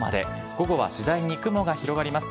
午後は次第に雲が広がります。